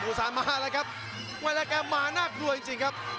ภูซานมาแล้วครับเวลากันมันน่ากลัวจริงครับ